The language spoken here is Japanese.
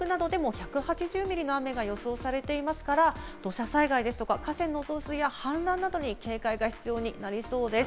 普段、雨の少ない北陸などでも１８０ミリの雨が予想されていますから、土砂災害ですとか河川の増水や氾濫などに警戒が必要になりそうです。